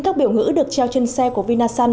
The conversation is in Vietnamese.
các biểu ngữ được treo trên xe của vinasun